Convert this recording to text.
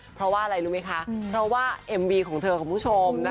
เพราะว่าอะไรรู้ไหมคะเพราะว่าเอ็มวีของเธอคุณผู้ชม